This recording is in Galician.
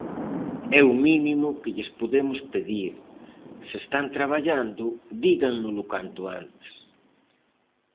É o mínimo que lles podemos pedir; se están traballando, dígannolo canto antes.